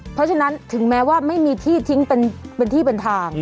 เพราะฉะนั้นถึงแม้ว่าไม่มีที่ทิ้งเป็นที่เป็นทาง